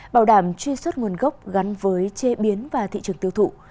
bảo đảm truy xuất nguồn gốc gắn với chế biến và thị trường tiêu thụ